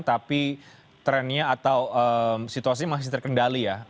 tapi trennya atau situasi masih terkendali ya